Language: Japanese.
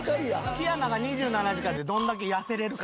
木山が２７時間でどんだけ痩せれるか。